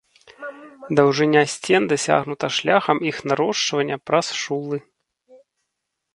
Даўжыня сцен дасягнута шляхам іх нарошчвання праз шулы.